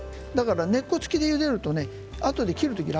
根っこ付きでゆでるとあとで切るとき楽。